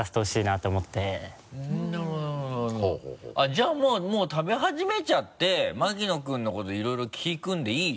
じゃあもう食べ始めちゃって牧野君のこといろいろ聞くんでいい？